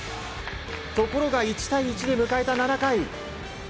ところが１対１で迎えた７回。